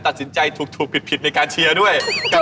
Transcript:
ตัดสินใจถูกผิดในการเชียร์ด้วย